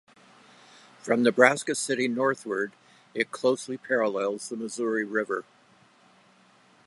From Nebraska City northward, it closely parallels the Missouri River.